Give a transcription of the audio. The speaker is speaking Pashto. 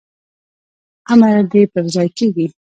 امر دي پرځای کیږي